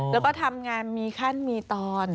แล้วก็ทำงานมีขั้นมีตอน